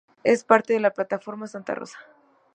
Es parte de la Plataforma Santa Rosa.